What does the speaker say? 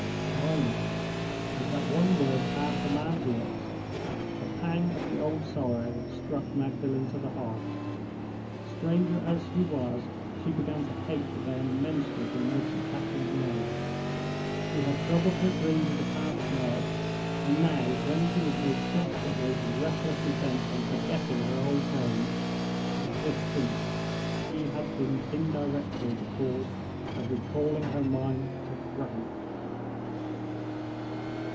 China! As that one word passed the man's lips, a pang of the old sorrow struck Magdalen to the heart. Stranger as he was, she began to hate the bare mention of the merchant captain's name. He had troubled her dreams of the past night; and now, when she was most desperately and recklessly bent on forgetting her old home existence, he had been indirectly the cause of recalling her mind to Frank.